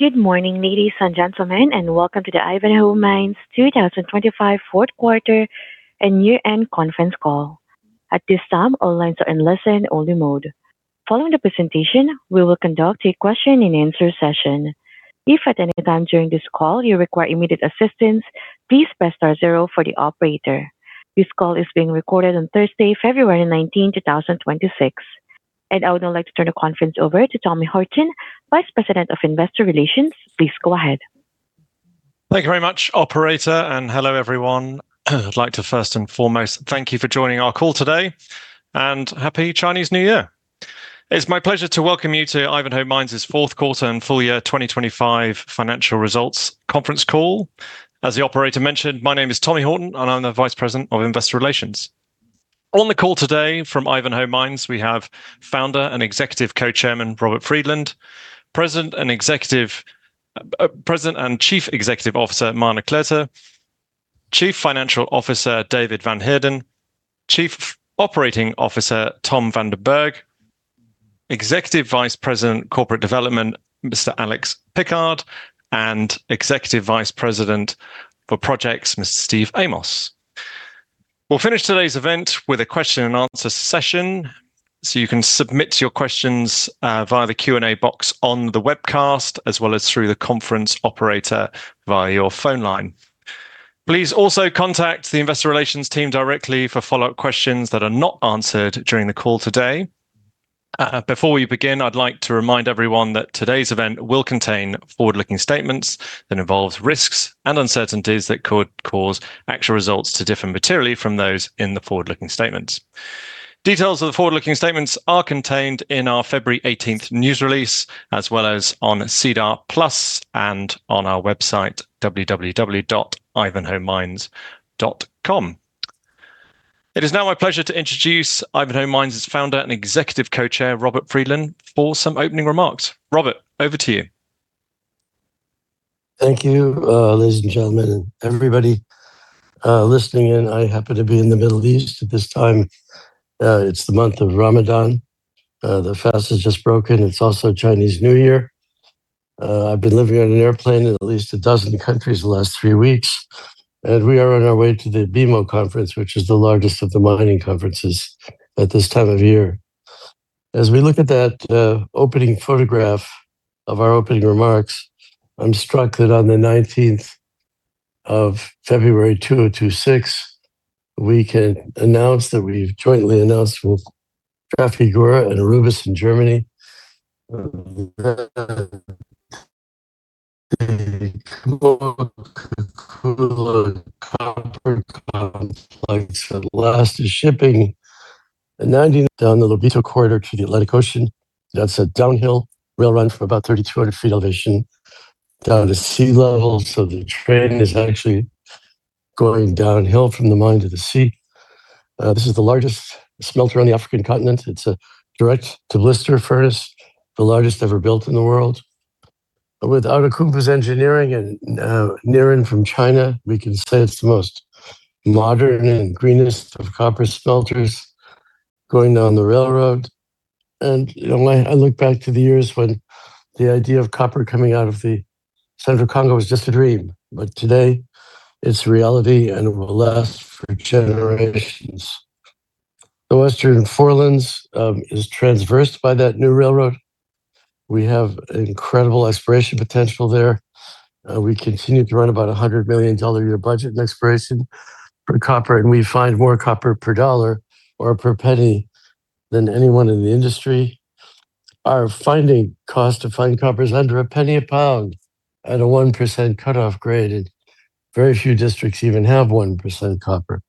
Good morning, ladies and gentlemen, and welcome to the Ivanhoe Mines 2025 fourth quarter and year-end conference call. At this time, all lines are in listen-only mode. Following the presentation, we will conduct a question and answer session. If at any time during this call you require immediate assistance, please press star zero for the operator. This call is being recorded on Thursday, February 19th, 2026. I would now like to turn the conference over to Tommy Horton, Vice President of Investor Relations. Please go ahead. Thank you very much, operator, and hello, everyone. I'd like to first and foremost thank you for joining our call today, and Happy Chinese New Year. It's my pleasure to welcome you to Ivanhoe Mines's fourth quarter and full year 2025 financial results conference call. As the operator mentioned, my name is Tommy Horton, and I'm the Vice President of Investor Relations. On the call today from Ivanhoe Mines, we have Founder and Executive Co-Chairman, Robert Friedland, President and Executive-- President and Chief Executive Officer, Marna Cloete, Chief Financial Officer, David van Heerden, Chief Operating Officer, Tom van den Berg, Executive Vice President, Corporate Development, Mr. Alex Pickard, and Executive Vice President for Projects, Mr. Steve Amos. We'll finish today's event with a question and answer session, so you can submit your questions via the Q&A box on the webcast, as well as through the conference operator via your phone line. Please also contact the investor relations team directly for follow-up questions that are not answered during the call today. Before we begin, I'd like to remind everyone that today's event will contain forward-looking statements that involve risks and uncertainties that could cause actual results to differ materially from those in the forward-looking statements. Details of the forward-looking statements are contained in our February 18th news release, as well as on SEDAR+ and on our website, www.ivanhoemines.com. It is now my pleasure to introduce Ivanhoe Mines's Founder and Executive Co-Chair, Robert Friedland, for some opening remarks. Robert, over to you. Thank you, ladies and gentlemen, and everybody, listening in. I happen to be in the Middle East at this time. It's the month of Ramadan. The fast has just broken. It's also Chinese New Year. I've been living on an airplane in at least a dozen countries in the last three weeks, and we are on our way to the BMO conference, which is the largest of the mining conferences at this time of year. As we look at that, opening photograph of our opening remarks, I'm struck that on the nineteenth of February 2026, we can announce that we've jointly announced with Trafigura and Aurubis in Germany, the last shipping, and then down the Lobito Corridor to the Atlantic Ocean. That's a downhill rail run for about 3,200 ft elevation down to sea level, so the train is actually going downhill from the mine to the sea. This is the largest smelter on the African continent. It's a direct-to-blister furnace, the largest ever built in the world. With Outotec's engineering and Nerin from China, we can say it's the most modern and greenest of copper smelters going down the railroad. And, you know, when I look back to the years when the idea of copper coming out of the Central Congo was just a dream, but today it's reality and will last for generations. The Western Forelands is traversed by that new railroad. We have incredible exploration potential there. We continue to run about a $100 million a year budget in exploration for copper, and we find more copper per dollar or per penny than anyone in the industry. Our finding cost to find copper is under a penny a pound at a 1% cutoff grade, and very few districts even have 1% copper.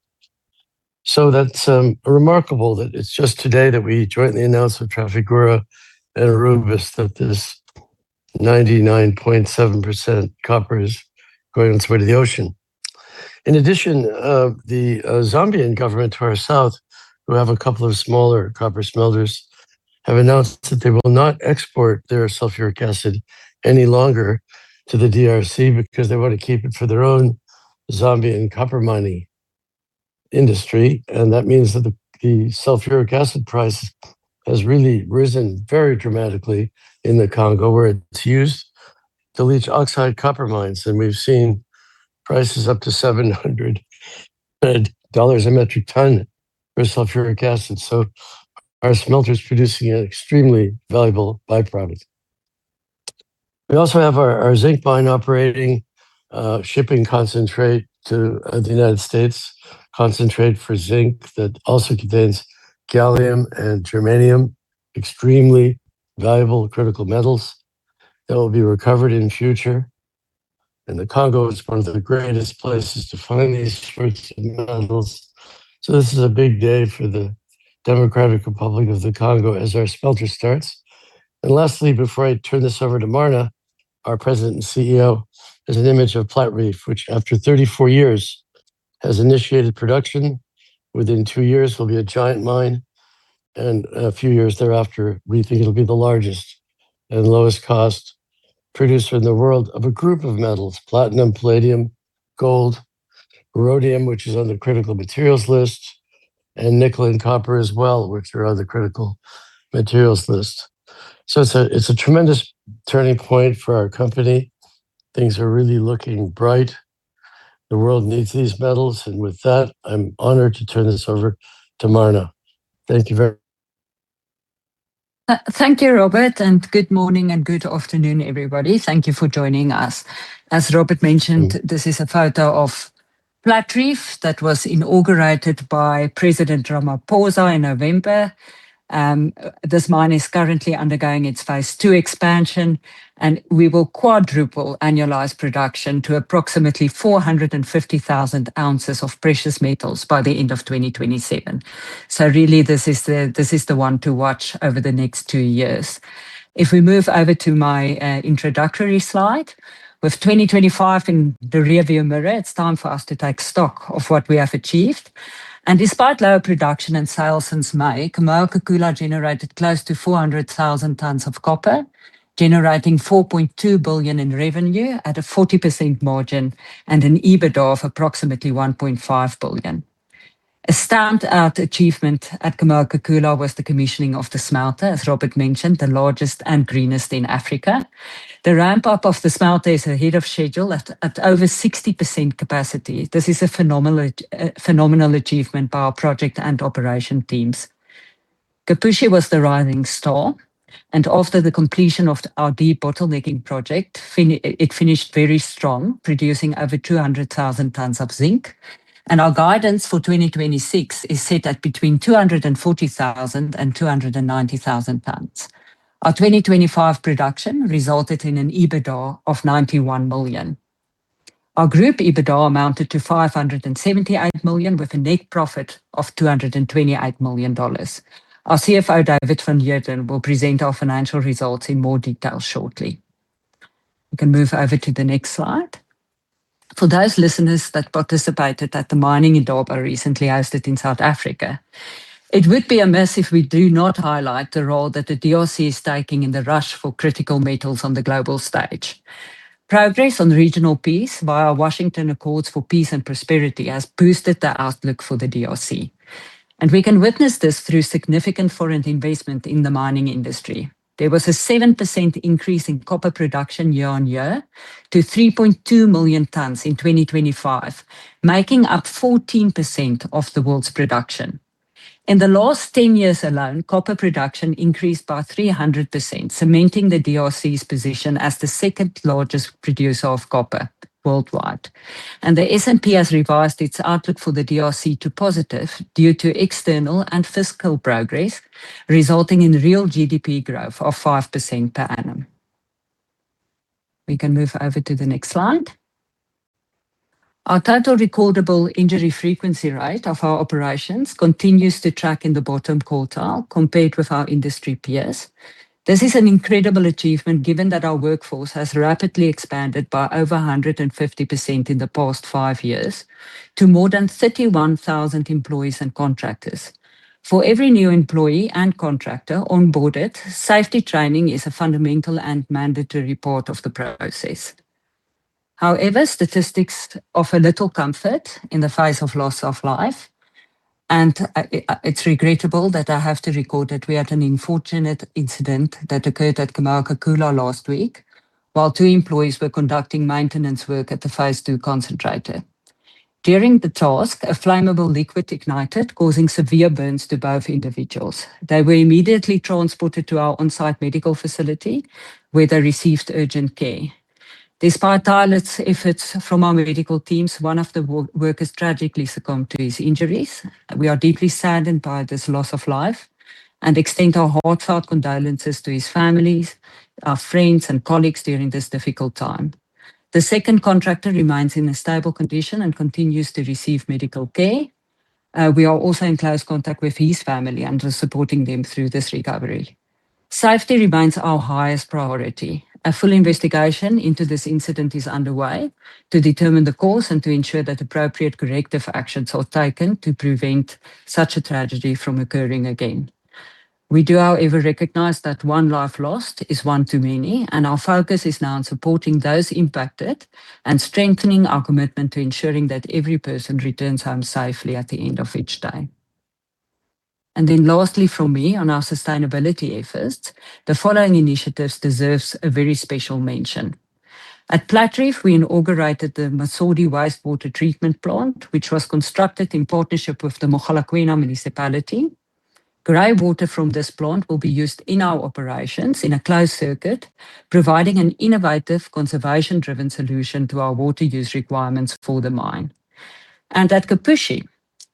So that's remarkable that it's just today that we jointly announced with Trafigura and Aurubis that this 99.7% copper is going its way to the ocean. In addition, the Zambian government to our south, who have a couple of smaller copper smelters, have announced that they will not export their sulfuric acid any longer to the DRC because they want to keep it for their own Zambian copper mining industry. That means that the sulfuric acid price has really risen very dramatically in the Congo, where it's used to leach oxide copper mines, and we've seen prices up to $700 a metric ton for sulfuric acid. So our smelter's producing an extremely valuable by-product. We also have our zinc mine operating, shipping concentrate to the United States. Concentrate for zinc that also contains gallium and germanium, extremely valuable critical metals that will be recovered in future. And the Congo is one of the greatest places to find these sorts of metals. So this is a big day for the Democratic Republic of the Congo as our smelter starts. And lastly, before I turn this over to Marna, our President and CEO, is an image of Platreef, which, after 34 years, has initiated production. Within two years, it will be a giant mine, and a few years thereafter, we think it'll be the largest and lowest cost producer in the world of a group of metals, platinum, palladium, gold, rhodium, which is on the critical materials list and nickel and copper as well, which are on the critical materials list. So it's a, it's a tremendous turning point for our company. Things are really looking bright. The world needs these metals, and with that, I'm honored to turn this over to Marna. Thank you very- Thank you, Robert, and good morning and good afternoon, everybody. Thank you for joining us. As Robert mentioned, this is a photo of Platreef that was inaugurated by President Ramaphosa in November. This mine is currently undergoing its phase II expansion, and we will quadruple annualized production to approximately 450,000 ounces of precious metals by the end of 2027. So really, this is the, this is the one to watch over the next two years. If we move over to my introductory slide, with 2025 in the rear-view mirror, it's time for us to take stock of what we have achieved. And despite lower production and sales since May, Kamoa-Kakula generated close to 400,000 tons of copper, generating $4.2 billion in revenue at a 40% margin and an EBITDA of approximately $1.5 billion. A standout achievement at Kamoa-Kakula was the commissioning of the smelter, as Robert mentioned, the largest and greenest in Africa. The ramp-up of the smelter is ahead of schedule at over 60% capacity. This is a phenomenal, phenomenal achievement by our project and operation teams. Kipushi was the rising star, and after the completion of our debottlenecking project, it finished very strong, producing over 200,000 tons of zinc, and our guidance for 2026 is set at between 240,000 and 290,000 tons. Our 2025 production resulted in an EBITDA of $91 million. Our group EBITDA amounted to $578 million, with a net profit of $228 million. Our CFO, David van Heerden, will present our financial results in more detail shortly. We can move over to the next slide. For those listeners that participated at the Mining Indaba recently hosted in South Africa, it would be amiss if we do not highlight the role that the DRC is taking in the rush for critical metals on the global stage. Progress on regional peace via Washington Accords for Peace and Prosperity has boosted the outlook for the DRC, and we can witness this through significant foreign investment in the mining industry. There was a 7% increase in copper production year-on-year to 3.2 million tons in 2025, making up 14% of the world's production. In the last 10 years alone, copper production increased by 300%, cementing the DRC's position as the second-largest producer of copper worldwide. The S&P has revised its outlook for the DRC to positive due to external and fiscal progress, resulting in real GDP growth of 5% per annum. We can move over to the next slide. Our total recordable injury frequency rate of our operations continues to track in the bottom quartile compared with our industry peers. This is an incredible achievement, given that our workforce has rapidly expanded by over 150% in the past five years to more than 31,000 employees and contractors. For every new employee and contractor onboarded, safety training is a fundamental and mandatory part of the process. However, statistics offer little comfort in the face of loss of life, and it's regrettable that I have to report that we had an unfortunate incident that occurred at Kamoa-Kakula last week, while two employees were conducting maintenance work at the phase two concentrator. During the task, a flammable liquid ignited, causing severe burns to both individuals. They were immediately transported to our on-site medical facility, where they received urgent care. Despite tireless efforts from our medical teams, one of the workers tragically succumbed to his injuries. We are deeply saddened by this loss of life and extend our heartfelt condolences to his families, our friends, and colleagues during this difficult time. The second contractor remains in a stable condition and continues to receive medical care. We are also in close contact with his family and are supporting them through this recovery. Safety remains our highest priority. A full investigation into this incident is underway to determine the cause and to ensure that appropriate corrective actions are taken to prevent such a tragedy from occurring again. We do, however, recognize that one life lost is one too many, and our focus is now on supporting those impacted and strengthening our commitment to ensuring that every person returns home safely at the end of each day. Lastly from me on our sustainability efforts, the following initiatives deserve a very special mention. At Platreef, we inaugurated the Masodi Wastewater Treatment Plant, which was constructed in partnership with the Mogalakwena Municipality. Grey water from this plant will be used in our operations in a closed circuit, providing an innovative, conservation-driven solution to our water use requirements for the mine. At Kipushi,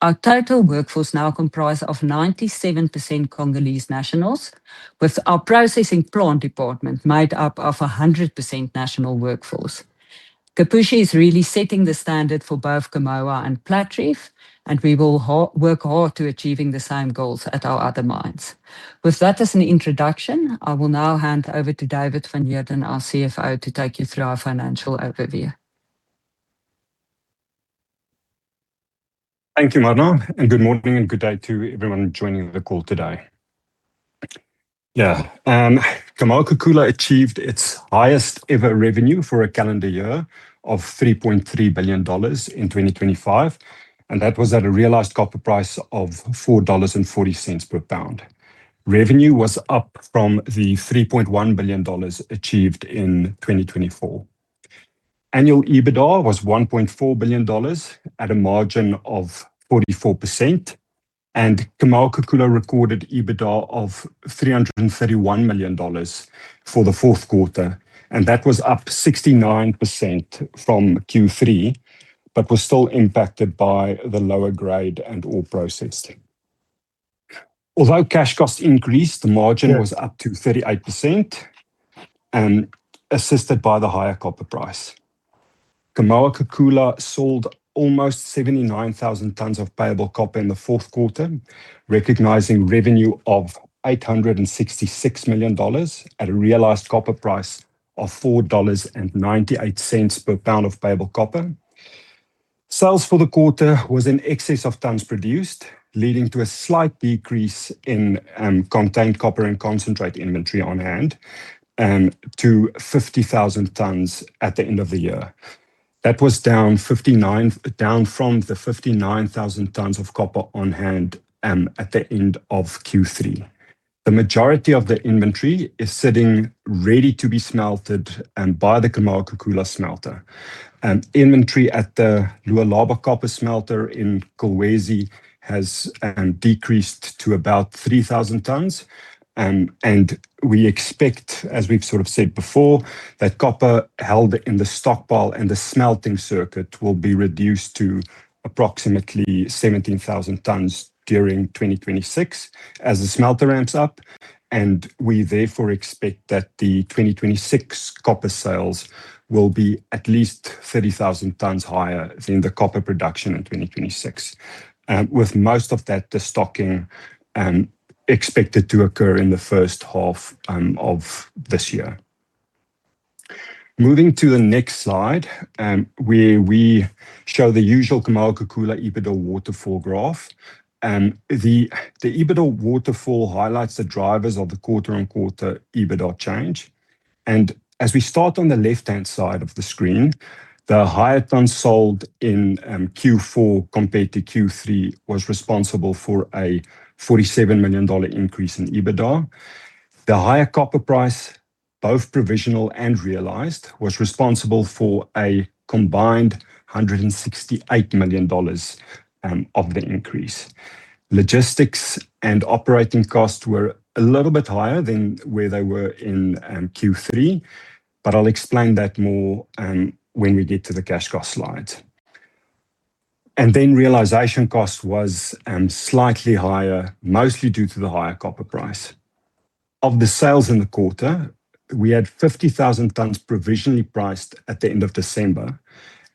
our total workforce now comprise of 97% Congolese nationals, with our processing plant department made up of 100% national workforce. Kipushi is really setting the standard for both Kamoa and Platreef, and we will work hard to achieving the same goals at our other mines. With that as an introduction, I will now hand over to David van Heerden, our CFO, to take you through our financial overview. Thank you, Marna, and good morning and good day to everyone joining the call today. Yeah. Kamoa-Kakula achieved its highest ever revenue for a calendar year of $3.3 billion in 2025, and that was at a realized copper price of $4.40 per pound. Revenue was up from the $3.1 billion achieved in 2024. Annual EBITDA was $1.4 billion at a margin of 44%, and Kamoa-Kakula recorded EBITDA of $331 million for the fourth quarter, and that was up 69% from Q3, but was still impacted by the lower grade and ore processing. Although cash costs increased, the margin was up to 38%, and assisted by the higher copper price. Kamoa-Kakula sold almost 79,000 tonnes of payable copper in the fourth quarter, recognizing revenue of $866 million at a realized copper price of $4.98 per pound of payable copper. Sales for the quarter was in excess of tonnes produced, leading to a slight decrease in contained copper and concentrate inventory on hand to 50,000 tonnes at the end of the year. That was down 59,000 tonnes of copper on hand at the end of Q3. The majority of the inventory is sitting ready to be smelted, and by the Kamoa-Kakula smelter. Inventory at the Lualaba copper smelter in Kolwezi has decreased to about 3,000 tonnes. We expect, as we've sort of said before, that copper held in the stockpile and the smelting circuit will be reduced to approximately 17,000 tonnes during 2026 as the smelter ramps up. We therefore expect that the 2026 copper sales will be at least 30,000 tonnes higher than the copper production in 2026, with most of that, the stocking, expected to occur in the first half of this year. Moving to the next slide, where we show the usual Kamoa-Kakula EBITDA waterfall graph. The EBITDA waterfall highlights the drivers of the quarter-on-quarter EBITDA change. As we start on the left-hand side of the screen, the higher tonnes sold in Q4 compared to Q3 was responsible for a $47 million increase in EBITDA. The higher copper price, both provisional and realized, was responsible for a combined $168 million of the increase. Logistics and operating costs were a little bit higher than where they were in Q3, but I'll explain that more when we get to the cash cost slide. And then realization cost was slightly higher, mostly due to the higher copper price. Of the sales in the quarter, we had 50,000 tonnes provisionally priced at the end of December,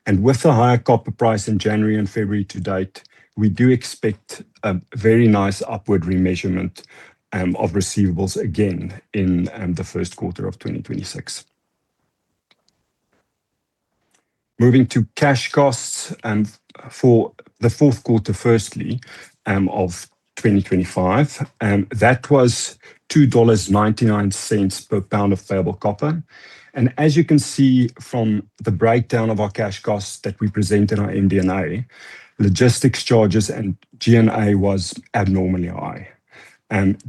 and with the higher copper price in January and February to date, we do expect a very nice upward remeasurement of receivables again in the first quarter of 2026. Moving to cash costs, and for the fourth quarter, firstly, of 2025, that was $2.99 per pound of payable copper. As you can see from the breakdown of our cash costs that we present in our MD&A, logistics charges and G&A was abnormally high.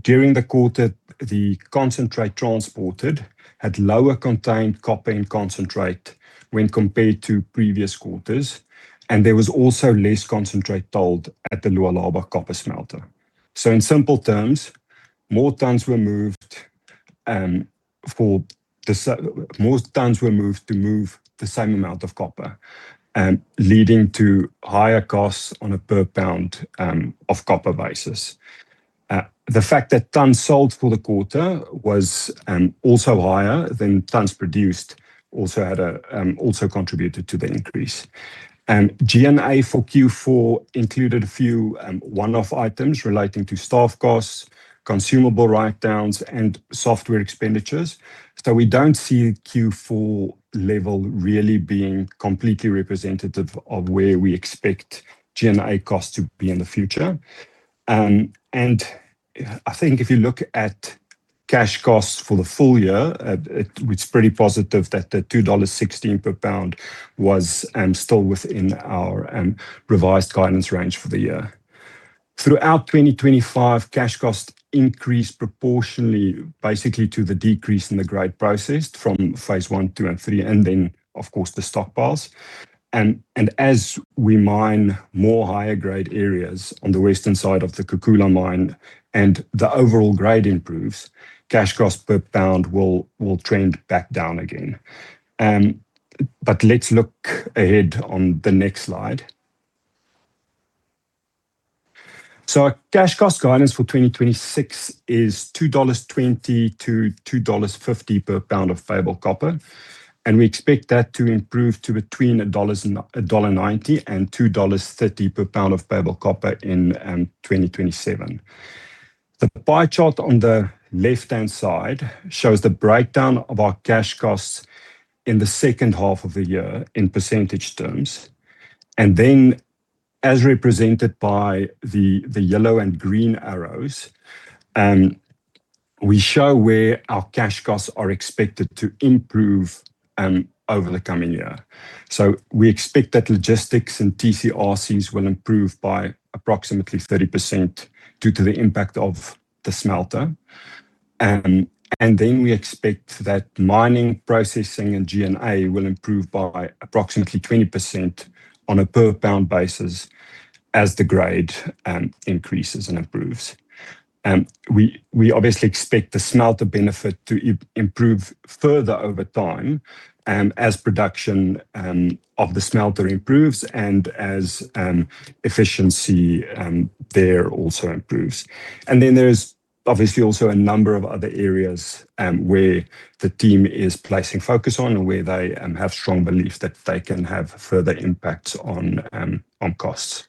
During the quarter, the concentrate transported had lower contained copper and concentrate when compared to previous quarters, and there was also less concentrate sold at the Luanshya copper smelter. So in simple terms, more tons were moved to move the same amount of copper, leading to higher costs on a per pound of copper basis. The fact that tons sold for the quarter was also higher than tons produced, also had a also contributed to the increase. G&A for Q4 included a few one-off items relating to staff costs, consumable write-downs, and software expenditures. So we don't see the Q4 level really being completely representative of where we expect G&A costs to be in the future. And I think if you look at cash costs for the full year, it, it's pretty positive that the $2.16 per pound was still within our revised guidance range for the year. Throughout 2025, cash costs increased proportionally, basically, to the decrease in the grade processed from phase one, two, and three, and then, of course, the stockpiles. And as we mine more higher-grade areas on the western side of the Kakula mine and the overall grade improves, cash costs per pound will trend back down again. But let's look ahead on the next slide. So our cash cost guidance for 2026 is $2.20-$2.50 per pound of payable copper, and we expect that to improve to between $1 and $1.90 and $2.30 per pound of payable copper in 2027. The pie chart on the left-hand side shows the breakdown of our cash costs in the second half of the year in percentage terms, and then as represented by the yellow and green arrows, and we show where our cash costs are expected to improve over the coming year. So we expect that logistics and TCRCs will improve by approximately 30% due to the impact of the smelter. And then we expect that mining, processing, and G&A will improve by approximately 20% on a per pound basis as the grade increases and improves. We obviously expect the smelter benefit to improve further over time, and as production of the smelter improves and as efficiency there also improves. Then there's obviously also a number of other areas where the team is placing focus on, and where they have strong belief that they can have further impacts on costs.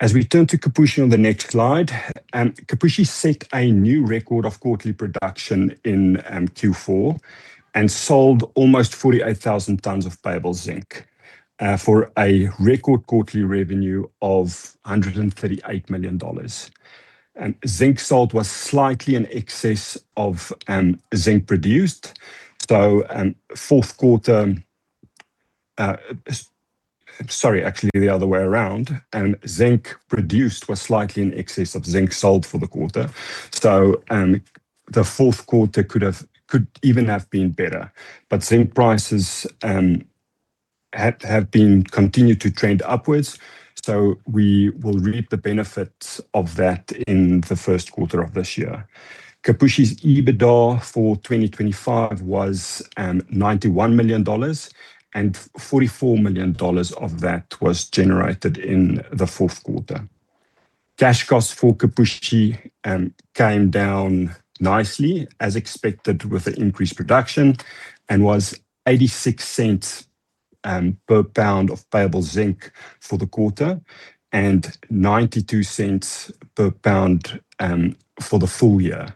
As we turn to Kipushi on the next slide, Kipushi set a new record of quarterly production in Q4, and sold almost 48,000 tons of payable zinc for a record quarterly revenue of $138 million. Zinc sold was slightly in excess of zinc produced. So, fourth quarter, sorry, actually, the other way around. Zinc produced was slightly in excess of zinc sold for the quarter. So, the fourth quarter could even have been better. But zinc prices have continued to trend upwards, so we will reap the benefits of that in the first quarter of this year. Kipushi's EBITDA for 2025 was $91 million, and $44 million of that was generated in the fourth quarter. Cash costs for Kipushi came down nicely as expected with the increased production, and was $0.86 per pound of payable zinc for the quarter, and $0.92 per pound for the full year,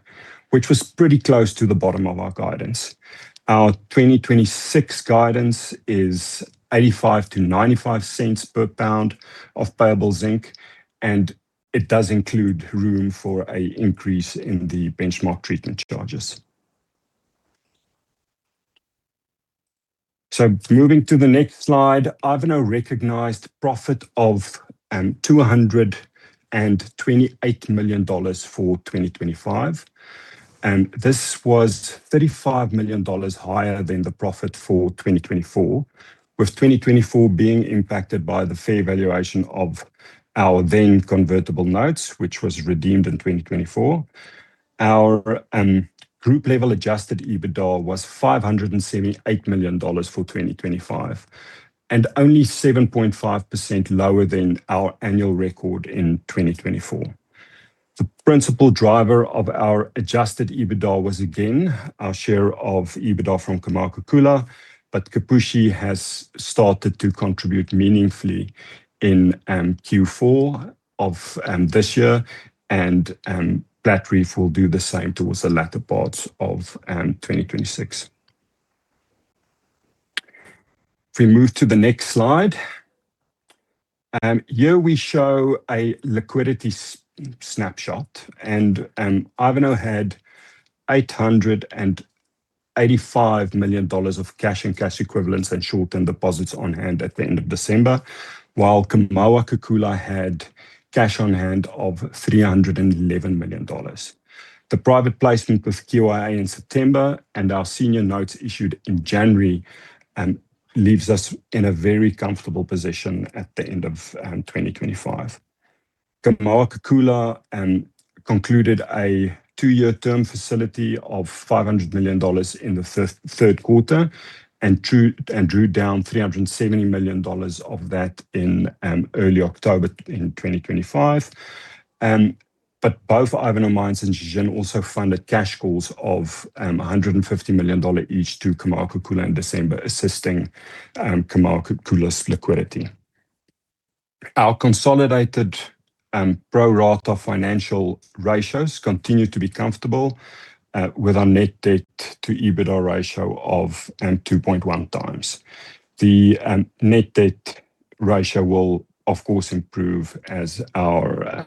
which was pretty close to the bottom of our guidance. Our 2026 guidance is $0.85-$0.95 per pound of payable zinc, and it does include room for a increase in the benchmark treatment charges. So moving to the next slide, Ivanhoe recognized profit of $228 million for 2025, and this was $35 million higher than the profit for 2024, with 2024 being impacted by the fair valuation of our then convertible notes, which was redeemed in 2024. Our group-level adjusted EBITDA was $578 million for 2025, and only 7.5% lower than our annual record in 2024. The principal driver of our adjusted EBITDA was again our share of EBITDA from Kamoa-Kakula, but Kipushi has started to contribute meaningfully in Q4 of this year, and Platreef will do the same towards the latter parts of 2026. If we move to the next slide. Here we show a liquidity snapshot, and Ivanhoe had $885 million of cash and cash equivalents and short-term deposits on hand at the end of December, while Kamoa-Kakula had cash on hand of $311 million. The private placement with QIA in September and our senior notes issued in January leaves us in a very comfortable position at the end of 2025. Kamoa-Kakula concluded a two-year term facility of $500 million in the third quarter, and drew down $370 million of that in early October in 2025. But both Ivanhoe Mines and Zijin also funded cash calls of $150 million each to Kamoa-Kakula in December, assisting Kamoa-Kakula's liquidity. Our consolidated pro rata financial ratios continue to be comfortable with our net debt to EBITDA ratio of 2.1x. The net debt ratio will, of course, improve as our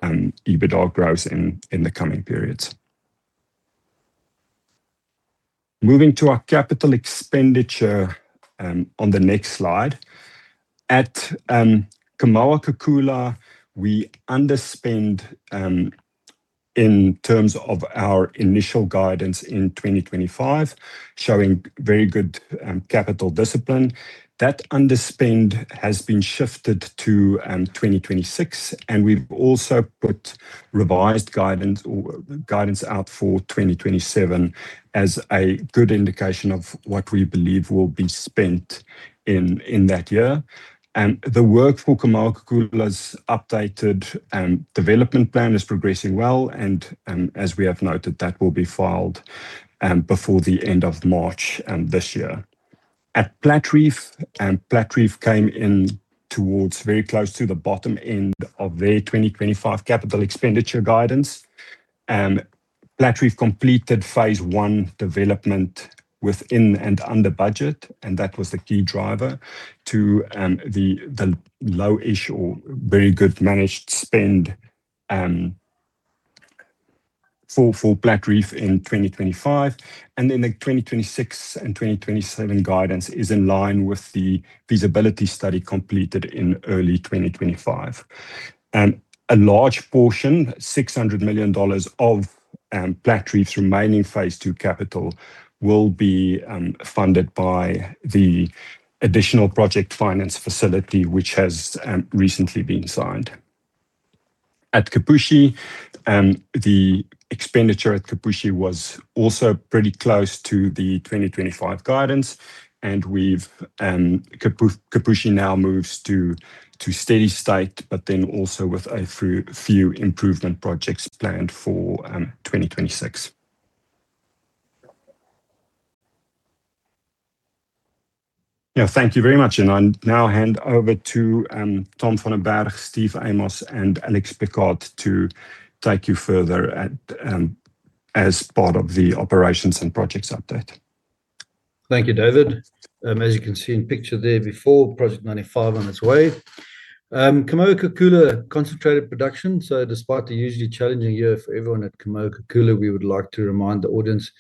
EBITDA grows in the coming periods. Moving to our capital expenditure on the next slide. At Kamoa-Kakula, we underspend in terms of our initial guidance in 2025, showing very good capital discipline. That underspend has been shifted to 2026, and we've also put revised guidance or guidance out for 2027 as a good indication of what we believe will be spent in that year. The work for Kamoa-Kakula's updated development plan is progressing well, and as we have noted, that will be filed before the end of March this year. At Platreef, Platreef came in towards very close to the bottom end of their 2025 capital expenditure guidance. Platreef completed phase one development within and under budget, and that was the key driver to the low-ish or very good managed spend for Platreef in 2025. And then the 2026 and 2027 guidance is in line with the feasibility study completed in early 2025. And a large portion, $600 million of Platreef's remaining phase II capital will be funded by the additional project finance facility, which has recently been signed. At Kipushi, the expenditure at Kipushi was also pretty close to the 2025 guidance, and Kipushi now moves to steady state, but then also with a few improvement projects planned for 2026. Yeah, thank you very much, and I'll now hand over to Tom van den Berg, Steve Amos, and Alex Pickard to take you further at as part of the operations and projects update. Thank you, David. As you can see in picture there before, Project 95 on its way. Kamoa-Kakula concentrate production. So despite the usually challenging year for everyone at Kamoa-Kakula, we would like to remind the audience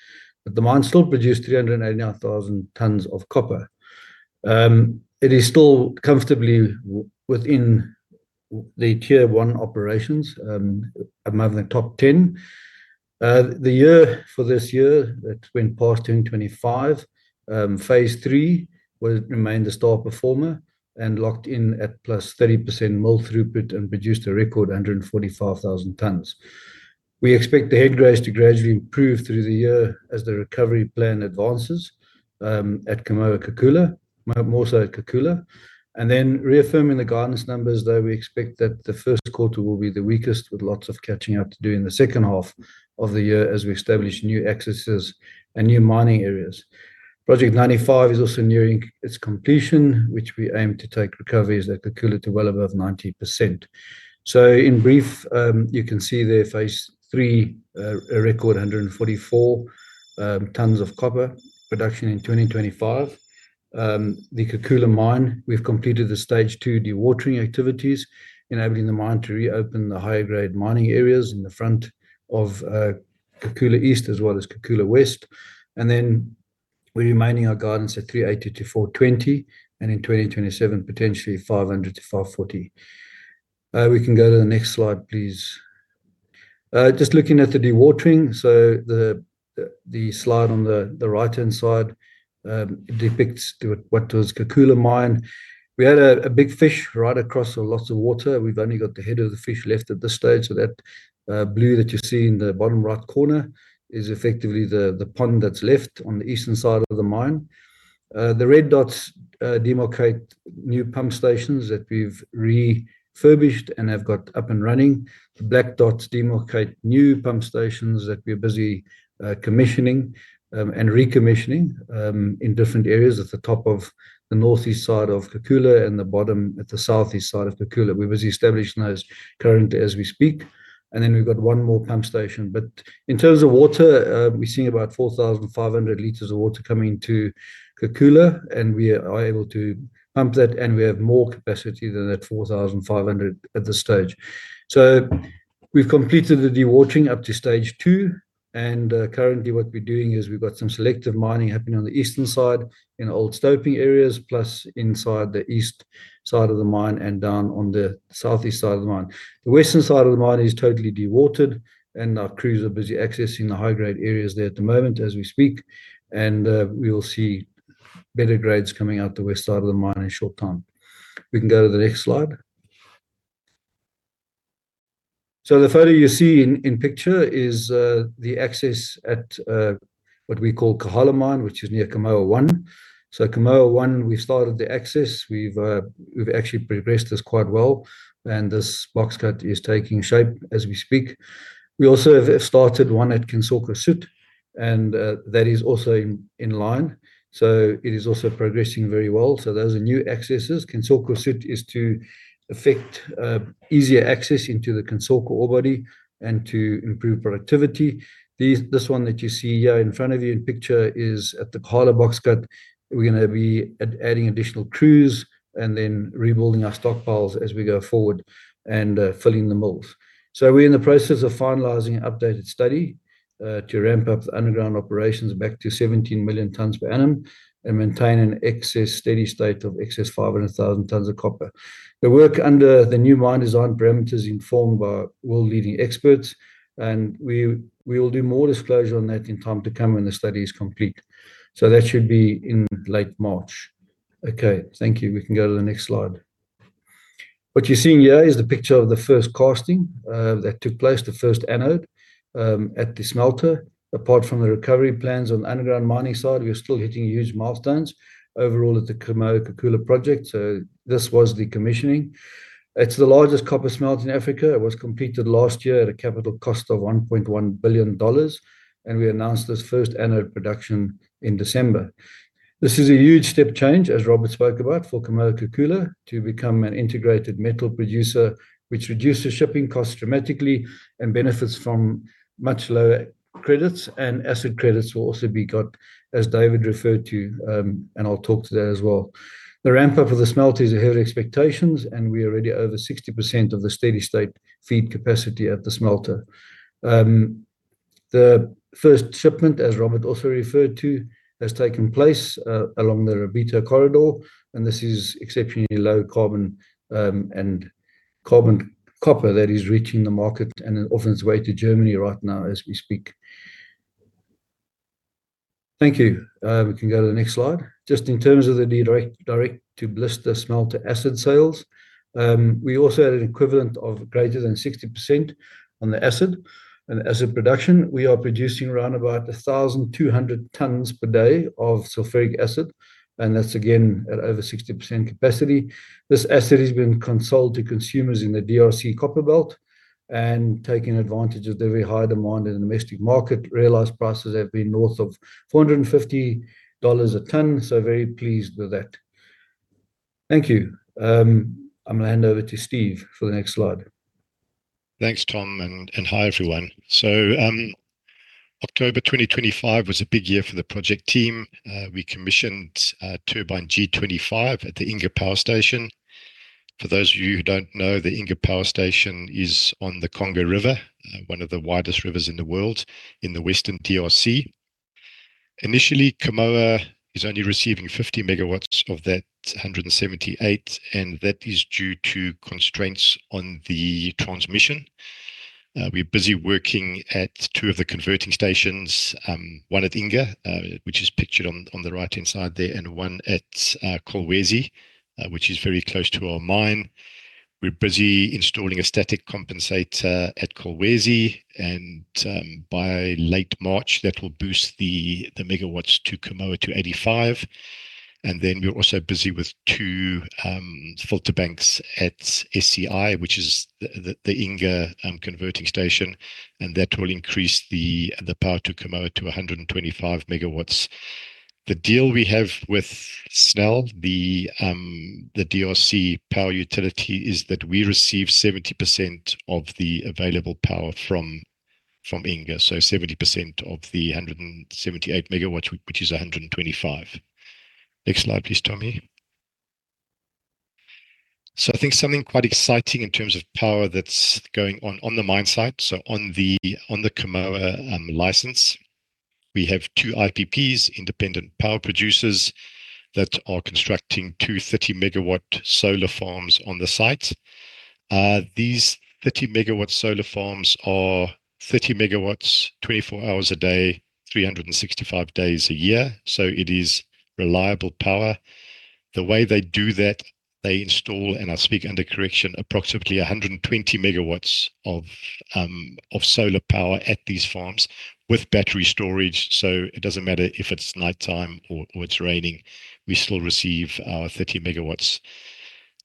that the mine still produced 389,000 tons of copper. It is still comfortably within the Tier 1 operations, among the top 10. The year for this year, that's 2025, phase III will remain the star performer and locked in at +30% mill throughput and produced a record 145,000 tons. We expect the head grades to gradually improve through the year as the recovery plan advances, at Kamoa-Kakula, more so at Kakula. And then reaffirming the guidance numbers, though we expect that the first quarter will be the weakest, with lots of catching up to do in the second half of the year as we establish new accesses and new mining areas. Project 95 is also nearing its completion, which we aim to take recoveries at Kakula to well above 90%. So in brief, you can see there phase III, a record 144 tons of copper production in 2025. The Kakula mine, we've completed the Stage 2 dewatering activities, enabling the mine to reopen the higher-grade mining areas in the front of Kakula East as well as Kakula West. And then we're remaining our guidance at 380-420, and in 2027, potentially 500-540. We can go to the next slide, please. Just looking at the dewatering. So the slide on the right-hand side depicts what was Kakula mine. We had a big fish right across with lots of water. We've only got the head of the fish left at this stage. So that blue that you see in the bottom right corner is effectively the pond that's left on the eastern side of the mine. The red dots demarcate new pump stations that we've refurbished and have got up and running. The black dots demarcate new pump stations that we're busy commissioning and recommissioning in different areas at the top of the northeast side of Kakula and the bottom at the southeast side of Kakula. We're busy establishing those currently as we speak, and then we've got one more pump station. In terms of water, we're seeing about 4,500 liters of water coming to Kakula, and we are able to pump that, and we have more capacity than that 4,500 at this stage. So we've completed the dewatering up to Stage 2, and currently what we're doing is we've got some selective mining happening on the eastern side in old stoping areas, plus inside the east side of the mine and down on the southeast side of the mine. The western side of the mine is totally dewatered, and our crews are busy accessing the high-grade areas there at the moment as we speak, and we will see better grades coming out the west side of the mine in a short time. We can go to the next slide. So the photo you see in the picture is the access at what we call Kakula mine, which is near Kamoa One. So Kamoa One, we started the access. We've actually progressed this quite well, and this box cut is taking shape as we speak. We also have started one at Kansoko South, and that is also in line, so it is also progressing very well. So those are new accesses. Kansoko South is to affect easier access into the Kansoko ore body and to improve productivity. This one that you see here in front of you in picture is at the Kakula box cut. We're gonna be adding additional crews and then rebuilding our stockpiles as we go forward and filling the mills. So we're in the process of finalizing an updated study to ramp up the underground operations back to 17 million tons per annum and maintain an excess steady state of excess 500,000 tons of copper. The work under the new mine design parameters informed by world-leading experts, and we will do more disclosure on that in time to come when the study is complete. So that should be in late March. Okay. Thank you. We can go to the next slide. What you're seeing here is the picture of the first casting that took place, the first anode, at the smelter. Apart from the recovery plans on the underground mining side, we are still hitting huge milestones overall at the Kamoa-Kakula project, so this was the commissioning. It's the largest copper smelter in Africa. It was completed last year at a capital cost of $1.1 billion and we announced this first anode production in December. This is a huge step change, as Robert spoke about, for Kamoa-Kakula to become an integrated metal producer, which reduces shipping costs dramatically and benefits from much lower credits, and acid credits will also be got, as David referred to, and I'll talk to that as well. The ramp-up of the smelter is ahead of expectations, and we are already over 60% of the steady-state feed capacity at the smelter. The first shipment, as Robert also referred to, has taken place along the Lobito Corridor, and this is exceptionally low-carbon copper that is reaching the market and off on its way to Germany right now as we speak. Thank you. We can go to the next slide. Just in terms of the direct, direct-to-blister smelter acid sales, we also had an equivalent of greater than 60% on the acid and acid production. We are producing around about 1,200 tonnes per day of sulfuric acid, and that's again at over 60% capacity. This acid has been sold to consumers in the DRC Copperbelt and taking advantage of the very high demand in the domestic market. Realized prices have been north of $450 a tonne, so very pleased with that. Thank you. I'm gonna hand over to Steve for the next slide. Thanks, Tom, and hi, everyone. So, October 2025 was a big year for the project team. We commissioned turbine G25 at the Inga Power Station. For those of you who don't know, the Inga Power Station is on the Congo River, one of the widest rivers in the world, in the western DRC. Initially, Kamoa is only receiving 50 MW of that 178, and that is due to constraints on the transmission. We're busy working at two of the converter stations, one at Inga, which is pictured on the right-hand side there, and one at Kolwezi, which is very close to our mine. We're busy installing a static compensator at Kolwezi, and by late March, that will boost the MW to Kamoa to 85. We're also busy with two filter banks at SCI, which is the Inga converting station, and that will increase the power to Kamoa to 125 MW. The deal we have with SNEL, the DRC power utility, is that we receive 70% of the available power from Inga, so 70% of the 178 MW, which is 125. Next slide, please, Tommy. I think something quite exciting in terms of power that's going on, on the mine site, so on the Kamoa license, we have two IPPs, independent power producers, that are constructing two 30-megawatt solar farms on the site. These 30 MW solar farms are 30 MW, 24 hours a day, 365 days a year, so it is reliable power. The way they do that, they install, and I speak under correction, approximately 120 MW of solar power at these farms with battery storage. So it doesn't matter if it's nighttime or it's raining, we still receive our 30 MW.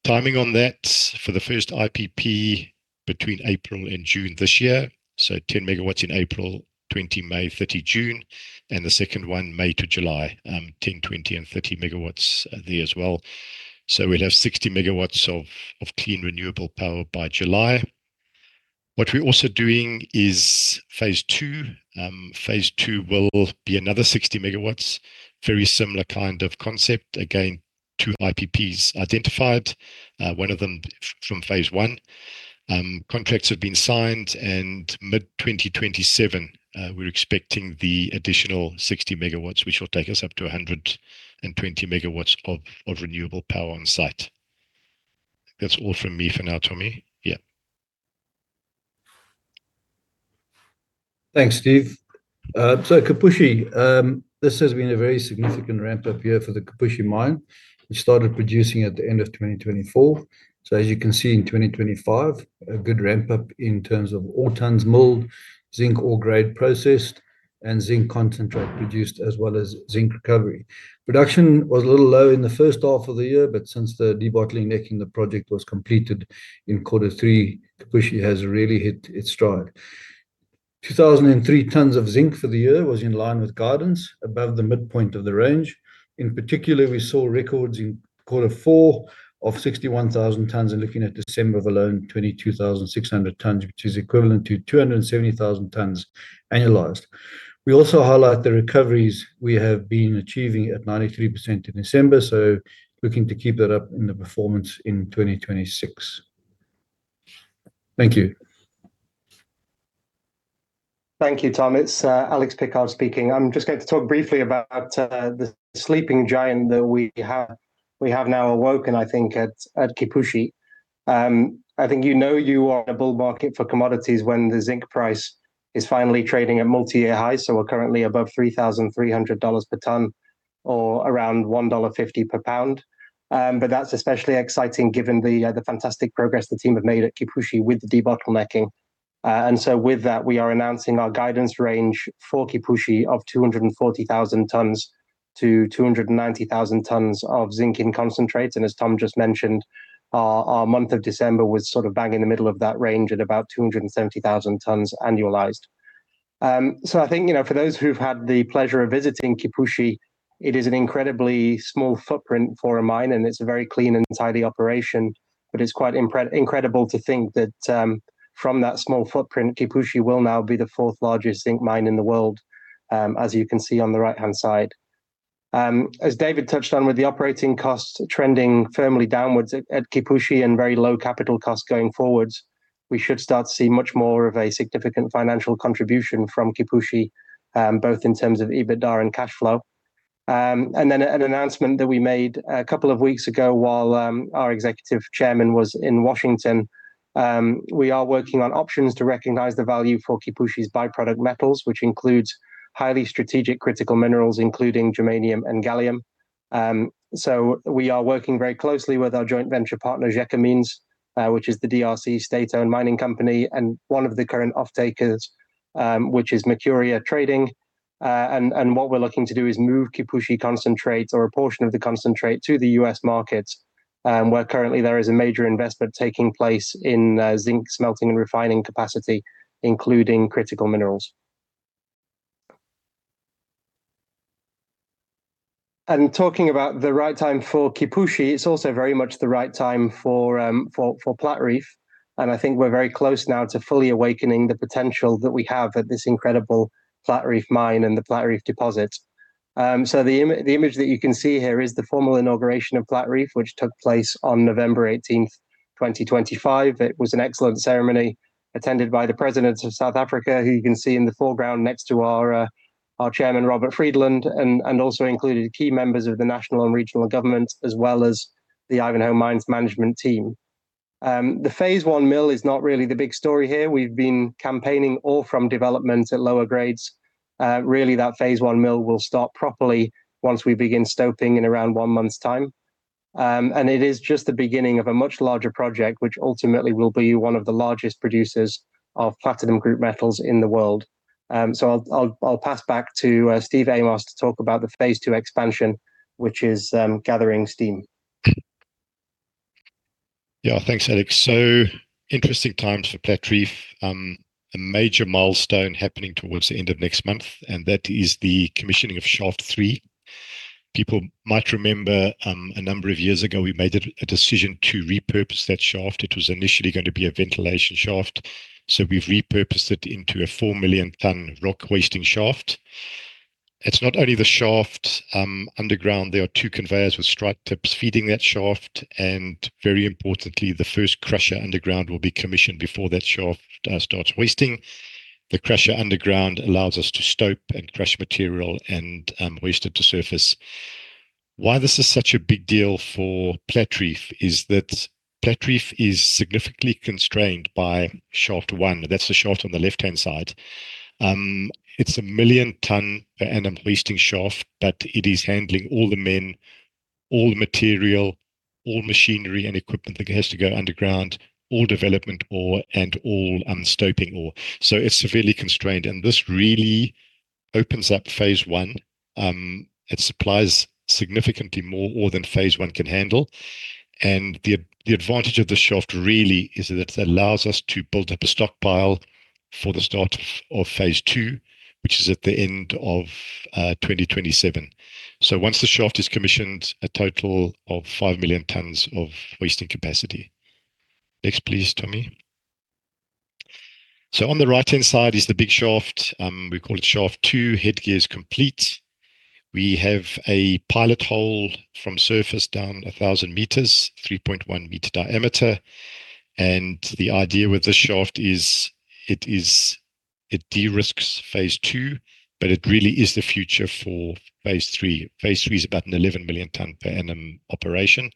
Timing on that, for the first IPP, between April and June this year, so 10 MW in April, 20 May, 30th June, and the second one, May to July, ten, 20, and 30 MW there as well. So we'll have 60 MW of clean, renewable power by July. What we're also doing is phase II. Phase II will be another 60 MW. Very similar kind of concept. Again, two IPPs identified, one of them from phase I. Contracts have been signed, and mid-2027, we're expecting the additional 60 MW, which will take us up to 120 MW of, of renewable power on site. That's all from me for now, Tommy. Yeah. Thanks, Steve. So Kipushi, this has been a very significant ramp-up year for the Kipushi mine. It started producing at the end of 2024. So as you can see, in 2025, a good ramp-up in terms of ore tonnes milled, zinc ore grade processed, and zinc concentrate produced, as well as zinc recovery. Production was a little low in the first half of the year, but since the debottlenecking, the project was completed in quarter three, Kipushi has really hit its stride. 2,003 tonnes of zinc for the year was in line with guidance, above the midpoint of the range. In particular, we saw records in quarter four of 61,000 tonnes, and looking at December alone, 22,600 tonnes, which is equivalent to 270,000 tonnes annualized. We also highlight the recoveries we have been achieving at 93% in December, so looking to keep that up in the performance in 2026. Thank you. Thank you, Tommy. It's Alex Pickard speaking. I'm just going to talk briefly about the sleeping giant that we have now awoken, I think, at Kipushi. I think you know you are in a bull market for commodities when the zinc price is finally trading at multi-year highs, so we're currently above $3,300 per tonne or around $1.50 per pound. But that's especially exciting given the fantastic progress the team have made at Kipushi with the debottlenecking. And so with that, we are announcing our guidance range for Kipushi of 240,000 tonnes to 290,000 tons of zinc in concentrates. As Tom just mentioned, our month of December was sort of bang in the middle of that range at about 270,000 tons annualized. So I think, you know, for those who've had the pleasure of visiting Kipushi, it is an incredibly small footprint for a mine, and it's a very clean and tidy operation. But it's quite incredible to think that, from that small footprint, Kipushi will now be the fourth largest zinc mine in the world, as you can see on the right-hand side. As David touched on, with the operating costs trending firmly downwards at Kipushi and very low capital costs going forwards, we should start to see much more of a significant financial contribution from Kipushi, both in terms of EBITDA and cash flow. And then an announcement that we made a couple of weeks ago while our Executive Chairman was in Washington. We are working on options to recognize the value for Kipushi's by-product metals, which includes highly strategic, critical minerals, including germanium and gallium. So we are working very closely with our joint venture partner, Gécamines, which is the DRC state-owned mining company, and one of the current off-takers, which is Mercuria Trading. And what we're looking to do is move Kipushi concentrates or a portion of the concentrate to the U.S. markets, where currently there is a major investment taking place in zinc smelting and refining capacity, including critical minerals. Talking about the right time for Kipushi, it's also very much the right time for Platreef, and I think we're very close now to fully awakening the potential that we have at this incredible Platreef mine and the Platreef deposit. So the image that you can see here is the formal inauguration of Platreef, which took place on November 18th, 2025. It was an excellent ceremony attended by the President of South Africa, who you can see in the foreground next to our chairman, Robert Friedland, and also included key members of the national and regional government, as well as the Ivanhoe Mines management team. The phase I mill is not really the big story here. We've been campaigning ore from developments at lower grades. Really, that phase I mill will start properly once we begin stoping in around one month's time. It is just the beginning of a much larger project, which ultimately will be one of the largest producers of platinum group metals in the world. So I'll pass back to Steve Amos to talk about the phase II expansion, which is gathering steam. Yeah, thanks, Alex. So interesting times for Platreef. A major milestone happening towards the end of next month, and that is the commissioning of Shaft 3. People might remember, a number of years ago, we made a decision to repurpose that shaft. It was initially going to be a ventilation shaft, so we've repurposed it into a 4 million ton rock hoisting shaft. It's not only the shaft, underground, there are two conveyors with stripe tips feeding that shaft, and very importantly, the first crusher underground will be commissioned before that shaft starts hoisting. The crusher underground allows us to stope and crush material and waste it to surface. Why this is such a big deal for Platreef is that Platreef is significantly constrained by shaft 1. That's the shaft on the left-hand side. It's a 1 million ton per annum hoisting shaft, but it is handling all the men, all the material, all machinery and equipment that has to go underground, all development ore, and all stoping ore. So it's severely constrained, and this really opens up phase I. It supplies significantly more ore than phase one can handle. And the advantage of the shaft really is that it allows us to build up a stockpile for the start of phase II, which is at the end of 2027. So once the shaft is commissioned, a total of 5 million tons of hoisting capacity. Next, please, Tommy. So on the right-hand side is the big shaft. We call it shaft two, headgear is complete. We have a pilot hole from surface down 1,000 m, 3.1 m diameter. The idea with this shaft is, it is, it de-risks phase II, but it really is the future for phase three. Phase III is about an 11 million ton per annum operation.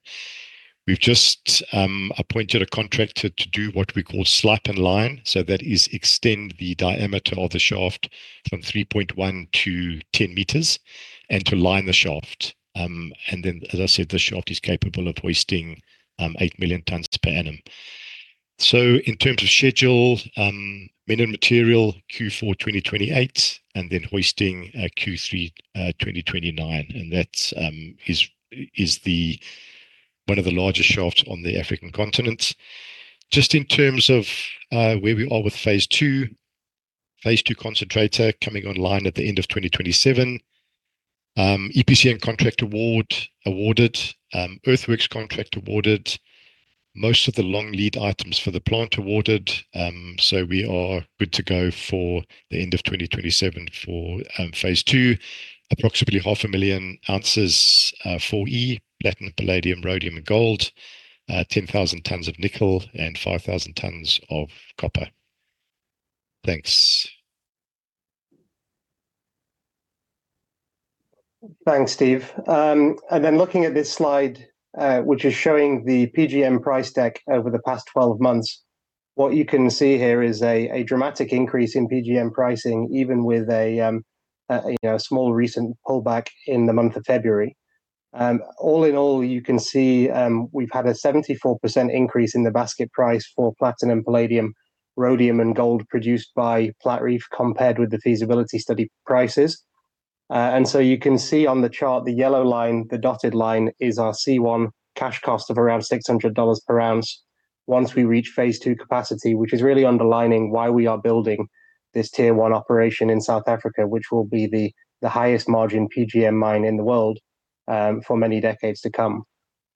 We've just appointed a contractor to do what we call slype and line. So that is extend the diameter of the shaft from 3.1 m to 10 m and to line the shaft. And then, as I said, the shaft is capable of hoisting 8 million tons per annum. So in terms of schedule, men and materials, Q4 2028, and then hoisting, Q3 2029, and that's is the one of the largest shafts on the African continent. Just in terms of where we are with phase two, phase II concentrator coming online at the end of 2027. EPC and contract award awarded, earthworks contract awarded, most of the long lead items for the plant awarded. So we are good to go for the end of 2027 for phase II, approximately 500,000 ounces for E, platinum, palladium, rhodium, and gold, 10,000 tons of nickel and 5,000 tons of copper. Thanks. Thanks, Steve. And then looking at this slide, which is showing the PGM price deck over the past 12 months, what you can see here is a dramatic increase in PGM pricing, even with a small recent pullback in the month of February. All in all, you can see, we've had a 74% increase in the basket price for platinum, palladium, rhodium, and gold produced by Platreef, compared with the feasibility study prices. And so you can see on the chart, the yellow line, the dotted line, is our C1 cash cost of around $600 per ounce once we reach phase two capacity, which is really underlining why we are building this Tier 1 operation in South Africa, which will be the highest margin PGM mine in the world, for many decades to come.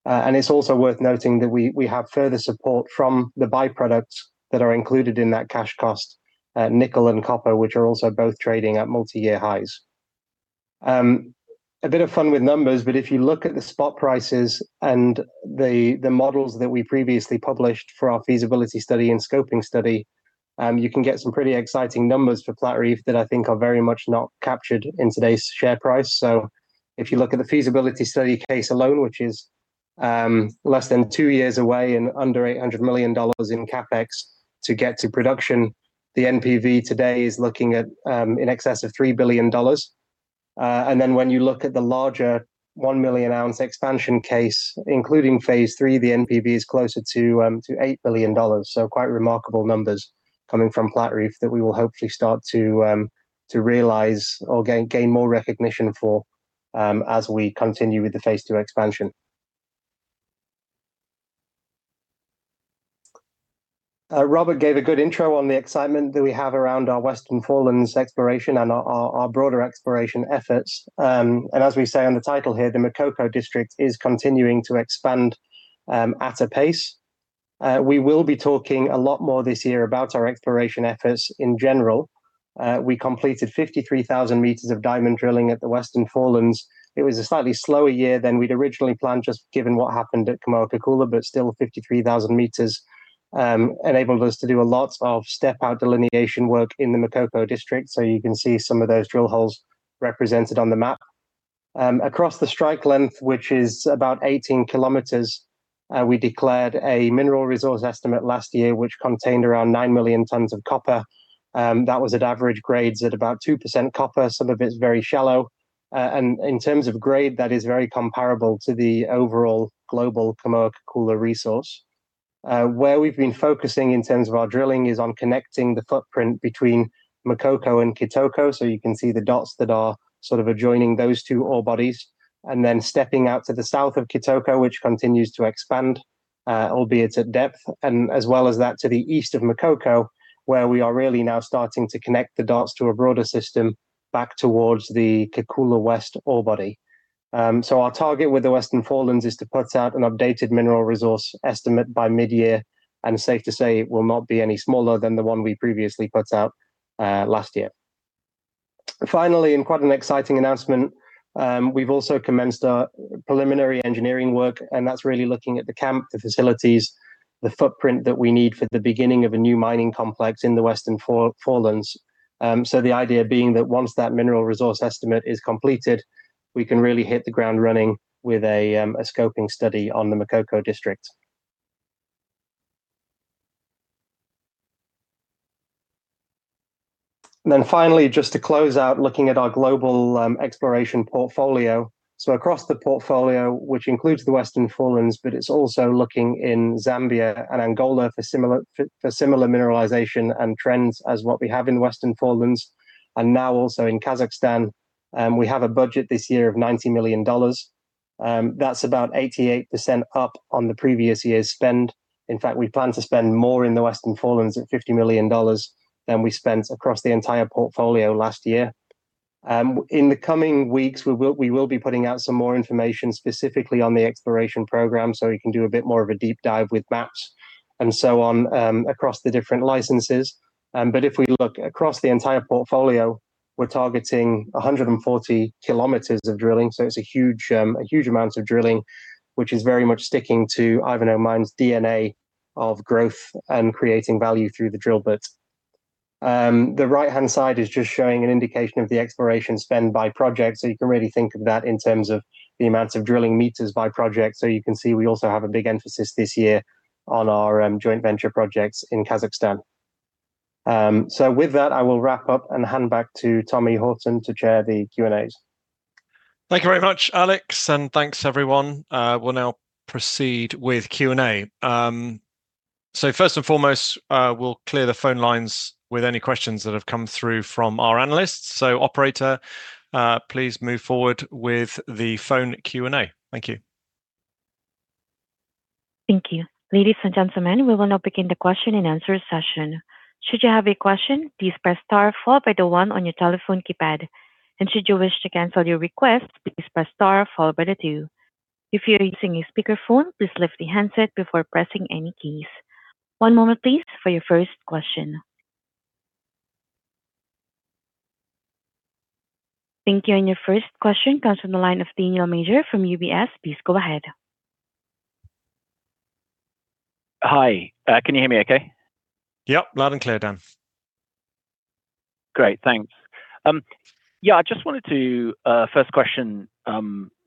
And it's also worth noting that we, we have further support from the byproducts that are included in that cash cost, nickel and copper, which are also both trading at multi-year highs. A bit of fun with numbers, but if you look at the spot prices and the, the models that we previously published for our feasibility study and scoping study, you can get some pretty exciting numbers for Platreef that I think are very much not captured in today's share price. So if you look at the feasibility study case alone, which is, less than two years away and under $800 million in CapEx to get to production, the NPV today is looking at, in excess of $3 billion. And then when you look at the larger 1 million ounce expansion case, including phase III, the NPV is closer to $8 billion. So quite remarkable numbers coming from Platreef that we will hopefully start to realize or gain more recognition for as we continue with the phase II expansion. Robert gave a good intro on the excitement that we have around our Western Forelands exploration and our broader exploration efforts. As we say on the title here, the Makoko District is continuing to expand at a pace. We will be talking a lot more this year about our exploration efforts in general. We completed 53,000 m of diamond drilling at the Western Forelands. It was a slightly slower year than we'd originally planned, just given what happened at Kamoa-Kakula, but still 53,000 m enabled us to do a lot of step-out delineation work in the Makoko District. So you can see some of those drill holes represented on the map. Across the strike length, which is about 18 km, we declared a mineral resource estimate last year, which contained around 9 million tons of copper. That was at average grades at about 2% copper. Some of it's very shallow, and in terms of grade, that is very comparable to the overall global Kamoa-Kakula resource. Where we've been focusing in terms of our drilling is on connecting the footprint between Makoko and Kitoko, so you can see the dots that are sort of adjoining those two ore bodies, and then stepping out to the south of Kitoko, which continues to expand, albeit at depth, and as well as that to the east of Makoko, where we are really now starting to connect the dots to a broader system back towards the Kakula West ore body. So our target with the Western Forelands is to put out an updated mineral resource estimate by mid-year, and safe to say, it will not be any smaller than the one we previously put out, last year. Finally, and quite an exciting announcement, we've also commenced our preliminary engineering work, and that's really looking at the camp, the facilities, the footprint that we need for the beginning of a new mining complex in the Western Forelands. So the idea being that once that mineral resource estimate is completed, we can really hit the ground running with a scoping study on the Makoko District. Then finally, just to close out, looking at our global exploration portfolio. So across the portfolio, which includes the Western Forelands, but it's also looking in Zambia and Angola for similar mineralization and trends as what we have in Western Forelands, and now also in Kazakhstan. We have a budget this year of $90 million. That's about 88% up on the previous year's spend. In fact, we plan to spend more in the Western Forelands at $50 million than we spent across the entire portfolio last year. In the coming weeks, we will be putting out some more information, specifically on the exploration program, so we can do a bit more of a deep dive with maps and so on, across the different licenses. But if we look across the entire portfolio, we're targeting 140 km of drilling, so it's a huge amount of drilling, which is very much sticking to Ivanhoe Mines' DNA of growth and creating value through the drill bit. The right-hand side is just showing an indication of the exploration spend by project, so you can really think of that in terms of the amounts of drilling meters by project. So you can see, we also have a big emphasis this year on our joint venture projects in Kazakhstan. So with that, I will wrap up and hand back to Tommy Horton to chair the Q&As. Thank you very much, Alex, and thanks, everyone. We'll now proceed with Q&A. First and foremost, we'll clear the phone lines with any questions that have come through from our analysts. Operator, please move forward with the phone Q&A. Thank you. Thank you. Ladies and gentlemen, we will now begin the question and answer session. Should you have a question, please press star followed by the one on your telephone keypad. And should you wish to cancel your request, please press star followed by the two. If you're using a speakerphone, please lift the handset before pressing any keys. One moment, please, for your first question. Thank you, and your first question comes from the line of Daniel Major from UBS. Please go ahead. Hi, can you hear me okay? Yep, loud and clear, Dan. Great, thanks. Yeah, I just wanted to first question,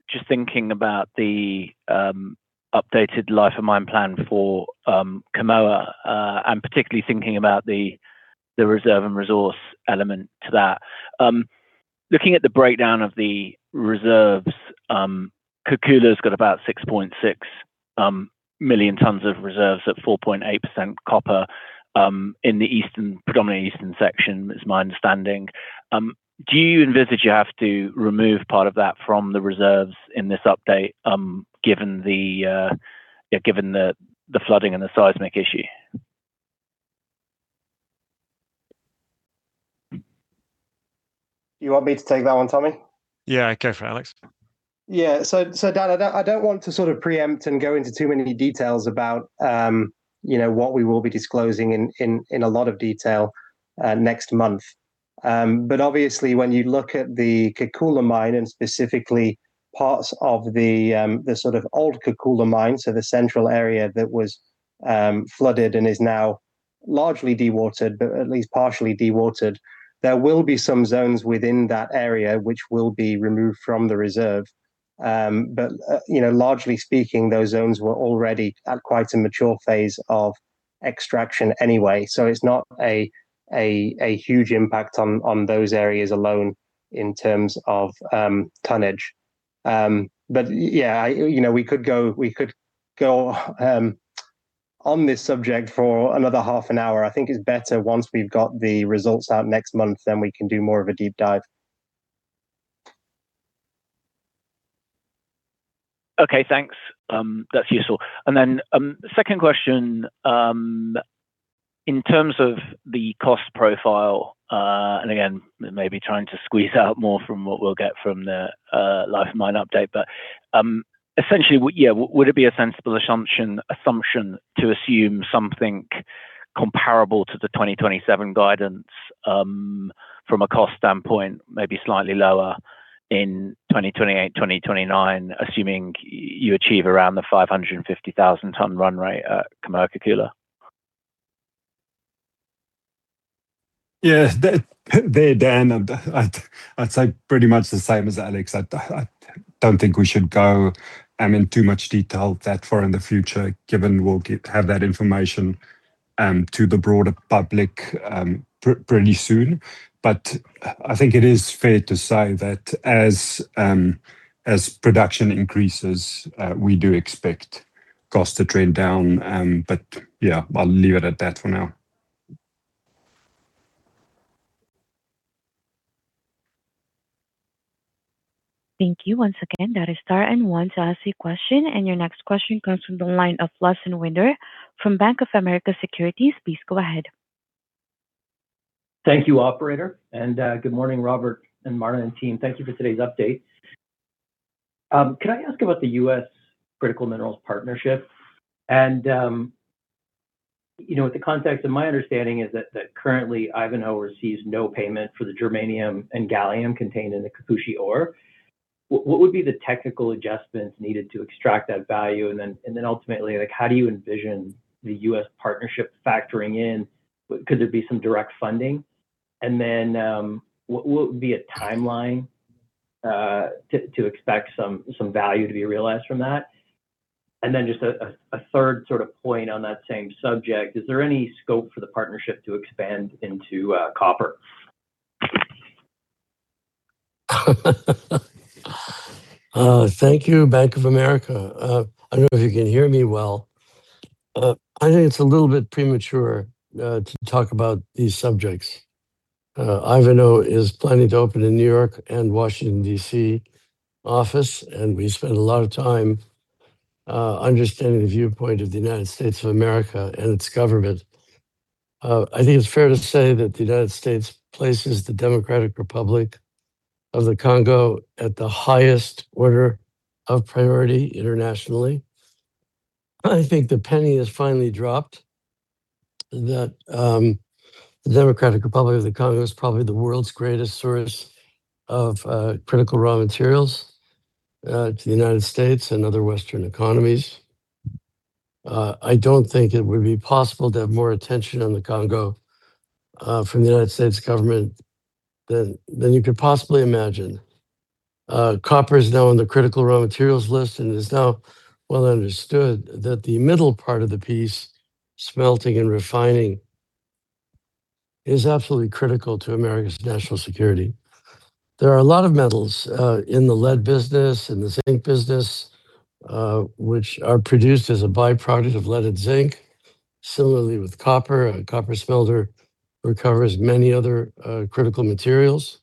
just thinking about the updated life of mine plan for Kamoa, and particularly thinking about the reserve and resource element to that. Looking at the breakdown of the reserves, Kakula's got about 6.6 million tons of reserves at 4.8% copper, in the eastern, predominantly eastern section, is my understanding. Do you envisage you have to remove part of that from the reserves in this update, given the flooding and the seismic issue? You want me to take that one, Tommy? Yeah, go for it, Alex. Yeah. So, Dan, I don't want to sort of preempt and go into too many details about, you know, what we will be disclosing in a lot of detail next month. But obviously, when you look at the Kakula mine, and specifically parts of the sort of old Kakula mine, so the central area that was flooded and is now largely dewatered, but at least partially dewatered, there will be some zones within that area which will be removed from the reserve. But, you know, largely speaking, those zones were already at quite a mature phase of extraction anyway, so it's not a huge impact on those areas alone in terms of tonnage. But yeah, you know, we could go on this subject for another half an hour. I think it's better once we've got the results out next month, then we can do more of a deep dive. Okay, thanks. That's useful. And then, second question, in terms of the cost profile, and again, maybe trying to squeeze out more from what we'll get from the, life of mine update, but, essentially, yeah, would it be a sensible assumption to assume something comparable to the 2027 guidance, from a cost standpoint, maybe slightly lower in 2028, 2029, assuming you achieve around the 550,000 ton run rate at Kamoa-Kakula? Yeah, there, Dan, I'd say pretty much the same as Alex. I don't think we should go in too much detail that far in the future, given we'll have that information to the broader public pretty soon. But I think it is fair to say that as production increases, we do expect costs to trend down, but yeah, I'll leave it at that for now. Thank you once again. That's star one to ask a question, and your next question comes from the line of Lawson Winder from Bank of America Securities. Please go ahead. Thank you, operator, and good morning, Robert and Marna and team. Thank you for today's update. Can I ask about the U.S. Critical Minerals partnership? And you know, with the context, and my understanding is that that currently, Ivanhoe receives no payment for the germanium and gallium contained in the Kakula ore. What would be the technical adjustments needed to extract that value? And then ultimately, like, how do you envision the U.S. partnership factoring in? Could there be some direct funding? And then what would be a timeline to expect some value to be realized from that? And then just a third sort of point on that same subject, is there any scope for the partnership to expand into copper? Thank you, Bank of America. I don't know if you can hear me well. I think it's a little bit premature to talk about these subjects. Ivanhoe is planning to open a New York and Washington, D.C., office, and we spent a lot of time understanding the viewpoint of the United States of America and its government. I think it's fair to say that the United States places the Democratic Republic of the Congo at the highest order of priority internationally. I think the penny has finally dropped that the Democratic Republic of the Congo is probably the world's greatest source of critical raw materials to the United States and other Western economies. I don't think it would be possible to have more attention on the Congo from the United States government than you could possibly imagine. Copper is now on the critical raw materials list, and it's now well understood that the middle part of the piece, smelting and refining, is absolutely critical to America's national security. There are a lot of metals in the lead business and the zinc business, which are produced as a byproduct of leaded zinc. Similarly, with copper, a copper smelter recovers many other critical materials.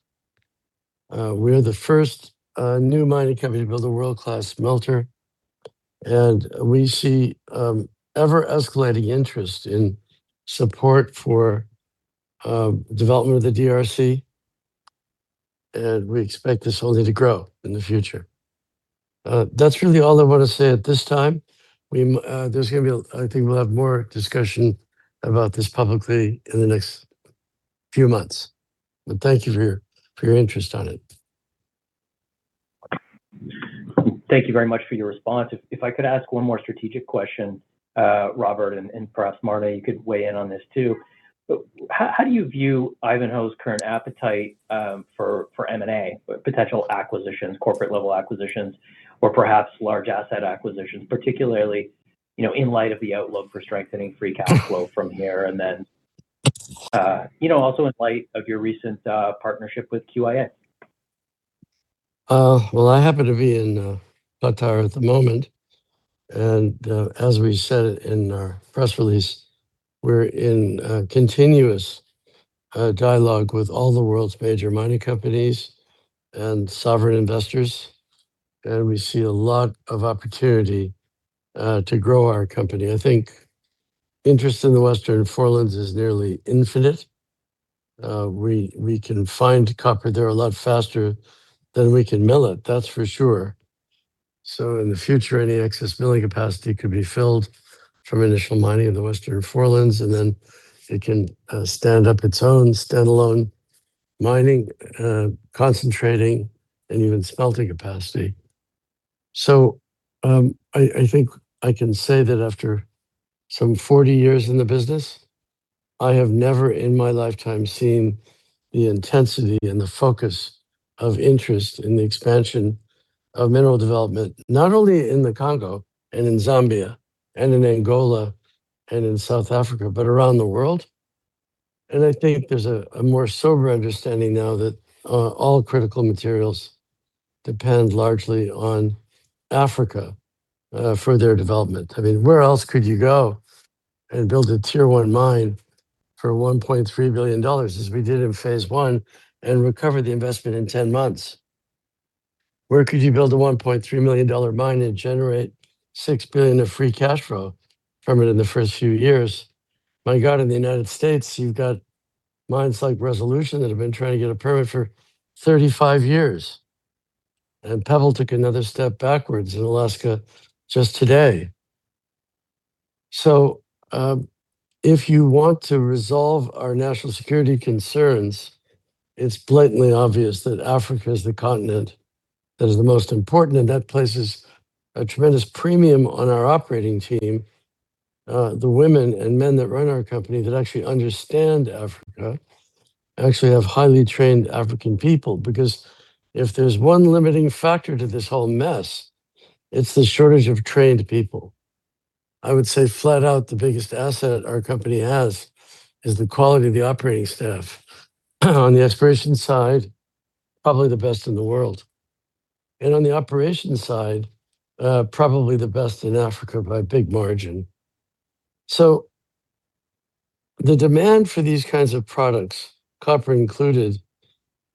We're the first new mining company to build a world-class smelter, and we see ever-escalating interest in support for development of the DRC, and we expect this only to grow in the future. That's really all I want to say at this time. There's gonna be a... I think we'll have more discussion about this publicly in the next few months. But thank you for your, for your interest on it. Thank you very much for your response. If I could ask one more strategic question, Robert, and perhaps Marna, you could weigh in on this too. But how do you view Ivanhoe's current appetite for M&A, potential acquisitions, corporate-level acquisitions, or perhaps large asset acquisitions, particularly, you know, in light of the outlook for strengthening free cash flow from here, and then, you know, also in light of your recent partnership with QIA? Well, I happen to be in Battara at the moment, and as we said in our press release, we're in a continuous dialogue with all the world's major mining companies and sovereign investors, and we see a lot of opportunity to grow our company. I think interest in the Western Forelands is nearly infinite. We can find copper there a lot faster than we can mill it, that's for sure. So in the future, any excess milling capacity could be filled from initial mining in the Western Forelands, and then it can stand up its own standalone mining, concentrating and even smelting capacity. I think I can say that after some 40 years in the business, I have never in my lifetime seen the intensity and the focus of interest in the expansion of mineral development, not only in the Congo, and in Zambia, and in Angola, and in South Africa, but around the world. I think there's a more sober understanding now that all critical materials depend largely on Africa for their development. I mean, where else could you go and build a Tier 1 mine for $1.3 billion, as we did in phase I, and recover the investment in 10 months? Where could you build a $1.3 million mine and generate $6 billion of free cash flow from it in the first few years? My God, in the United States, you've got mines like Resolution that have been trying to get a permit for 35 years, and Pebble took another step backwards in Alaska just today. So, if you want to resolve our national security concerns, it's blatantly obvious that Africa is the continent that is the most important, and that places a tremendous premium on our operating team. The women and men that run our company that actually understand Africa, actually have highly trained African people. Because if there's one limiting factor to this whole mess, it's the shortage of trained people. I would say flat out, the biggest asset our company has is the quality of the operating staff. On the exploration side, probably the best in the world, and on the operations side, probably the best in Africa by a big margin. So the demand for these kinds of products, copper included,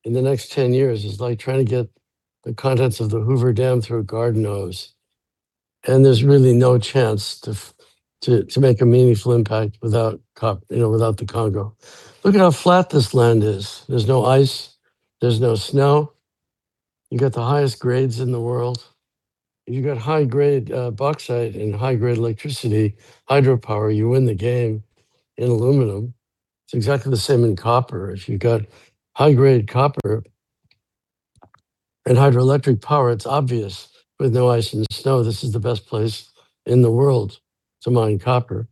in the next 10 years is like trying to get the contents of the Hoover Dam through a garden hose, and there's really no chance to make a meaningful impact without you know, without the Congo. Look at how flat this land is. There's no ice, there's no snow. You got the highest grades in the world. If you got high-grade bauxite and high-grade electricity, hydropower, you win the game in aluminum. It's exactly the same in copper. If you got high-grade copper and hydroelectric power, it's obvious with no ice and snow, this is the best place in the world to mine copper.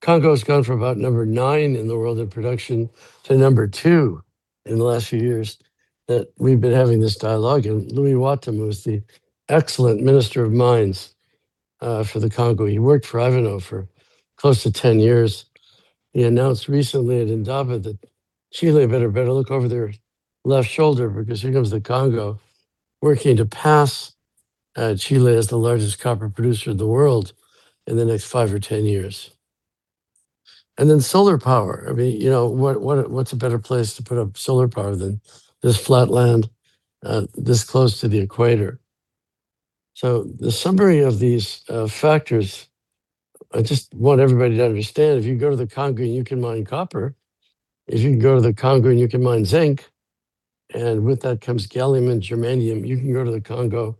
Congo has gone from about Number 9 in the world in production to Number 2 in the last few years that we've been having this dialogue. Louis Watombé was the excellent Minister of Mines for the Congo. He worked for Ivanhoe for close to 10 years. He announced recently at Indaba that Chile better, better look over their left shoulder because here comes the Congo, working to pass Chile as the largest copper producer in the world in the next five or 10 years. And then solar power, I mean, you know, what's a better place to put up solar power than this flat land this close to the equator? So the summary of these factors, I just want everybody to understand, if you can go to the Congo, you can mine copper. If you can go to the Congo, and you can mine zinc, and with that comes gallium and germanium, you can go to the Congo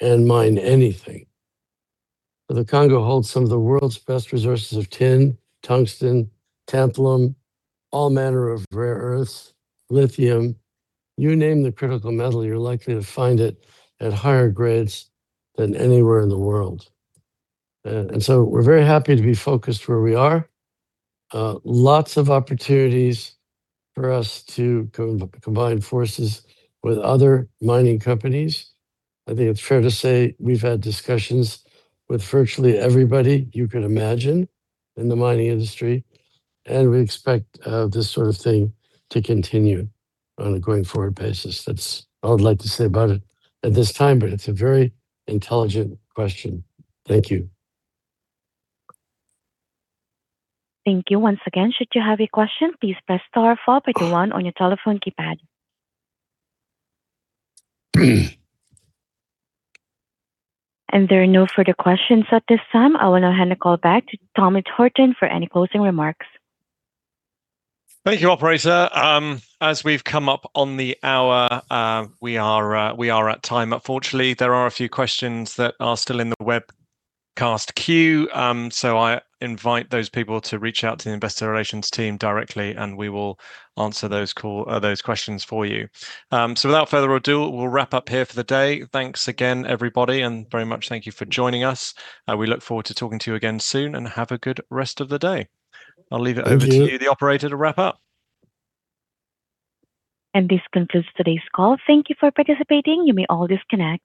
and mine anything. The Congo holds some of the world's best resources of tin, tungsten, tantalum, all manner of rare earths, lithium. You name the critical metal, you're likely to find it at higher grades than anywhere in the world. And so we're very happy to be focused where we are. Lots of opportunities for us to combine forces with other mining companies. I think it's fair to say we've had discussions with virtually everybody you can imagine in the mining industry, and we expect this sort of thing to continue on a going-forward basis. That's all I'd like to say about it at this time, but it's a very intelligent question. Thank you. Thank you. Once again, should you have a question, please press star four followed by one on your telephone keypad. There are no further questions at this time. I want to hand the call back to Tommy Horton for any closing remarks. Thank you, operator. As we've come up on the hour, we are at time. Unfortunately, there are a few questions that are still in the webcast queue, so I invite those people to reach out to the investor relations team directly, and we will answer those questions for you. So without further ado, we'll wrap up here for the day. Thanks again, everybody, and very much thank you for joining us, and we look forward to talking to you again soon, and have a good rest of the day. Thank you. I'll leave it over to you, the operator, to wrap up. This concludes today's call. Thank you for participating. You may all disconnect.